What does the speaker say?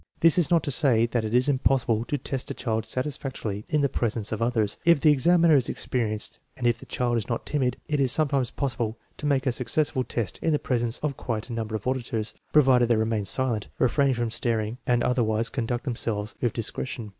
This is not to say that it is impossible to test a child satisfactorily in the presence of others. If the examiner is experienced, and if the child is not timid, it is sometimes possible to make a successful test in the presence of quite a number of auditors, provided they remain silent, refrain from staring, and otherwise conduct themselves with dis cretion.